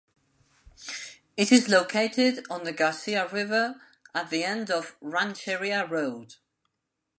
It is located on the Garcia River at the end of Rancheria Rd.